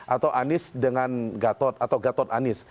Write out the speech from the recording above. atau anies dengan gatot atau gatot anies